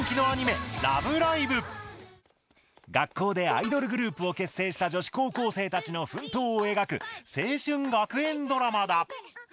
学校でアイドルグループを結成した女子高校生たちの奮闘を描く青春学園ドラマだ。